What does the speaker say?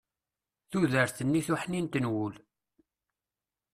tudert-nni taḥnint n wul